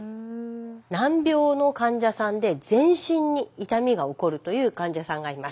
難病の患者さんで全身に痛みが起こるという患者さんがいます。